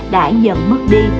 đã dần mất đi